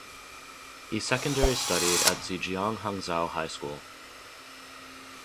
He secondary studied at Zhejiang Hangzhou High School.